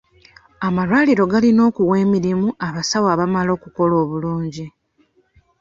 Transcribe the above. Amalwaliro galina okuwa emirimu abasawo abamala okukola obulungi.